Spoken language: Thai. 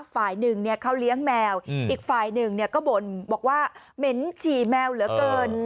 ฝ่ายหนึ่งเขาเลี้ยงแมวอีกฝ่ายหนึ่งก็บ่นบอกว่าเหม็นฉี่แมวเหลือเกิน